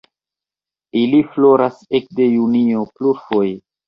Ili floras ekde junio plurfoje.